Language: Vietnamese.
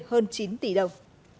hơn chín tỷ đồng